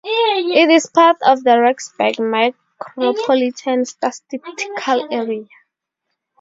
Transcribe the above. It is part of the Rexburg Micropolitan Statistical Area.